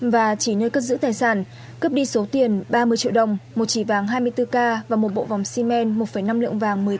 và chỉ nơi cất giữ tài sản cướp đi số tiền ba mươi triệu đồng một chỉ vàng hai mươi bốn k và một bộ vòng xi men một năm lượng vàng